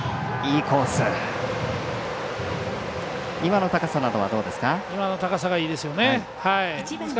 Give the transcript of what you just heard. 今の高さなどはどうですか？